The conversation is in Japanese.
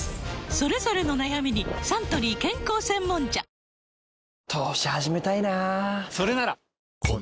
それぞれの悩みにサントリー健康専門茶どう？